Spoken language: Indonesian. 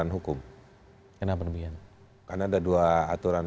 yang kedua terkait dengan peraturan